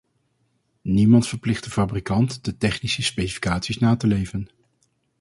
Niemand verplicht de fabrikant de technische specificaties na te leven.